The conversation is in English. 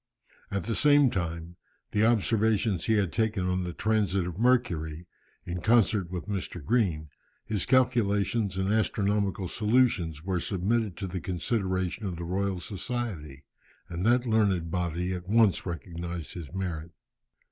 At the same time, the observations he had taken on the transit of Mercury in concert with Mr. Green, his calculations and astronomical solutions, were submitted to the consideration of the Royal Society, and that learned body at once recognized his merit.